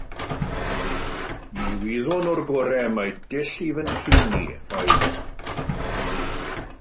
Mi wyddwn o'r gorau mai dull i fy nhrin i oedd o.